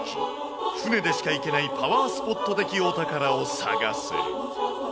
船でしか行けない、パワースポット的お宝を探す。